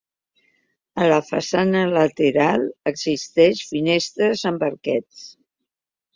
A la façana lateral existeix finestres amb arquets.